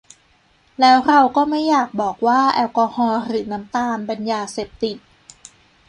แล้วเราก็ไม่อยากบอกว่าแอลกอฮอล์ หรือน้ำตาล เป็นยาเสพติด